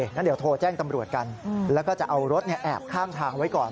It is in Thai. งั้นเดี๋ยวโทรแจ้งตำรวจกันแล้วก็จะเอารถแอบข้างทางไว้ก่อน